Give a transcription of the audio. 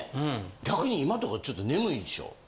逆に今とかちょっと眠いでしょ？